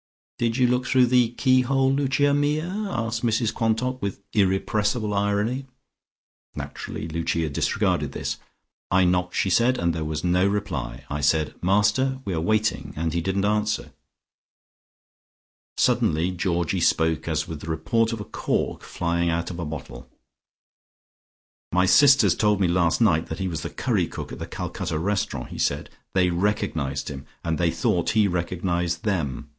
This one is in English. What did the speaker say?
"Did you look through the keyhole, Lucia mia?" asked Mrs Quantock, with irrepressible irony. Naturally Lucia disregarded this. "I knocked," she said, "and there was no reply. I said, 'Master, we are waiting,' and he didn't answer." Suddenly Georgie spoke, as with the report of a cork flying out of a bottle. "My sisters told me last night that he was the curry cook at the Calcutta restaurant," he said. "They recognised him, and they thought he recognised them.